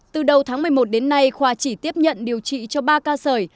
từ đầu tháng một mươi một đến nay khoa chỉ tiếp nhận điều trị cho ba ca sởi